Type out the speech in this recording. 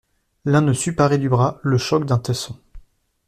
L'un ne sut parer du bras le choc d'un tesson.